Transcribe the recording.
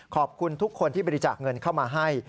ขอบคุณทุกคนที่บริจาคเงินเข้ามาให้